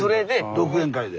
独演会で。